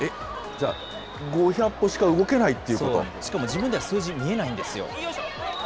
じゃあ、５００歩しかしかも自分では数字見えないんですよ。